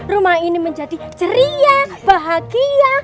rumah ini menjadi ceria bahagia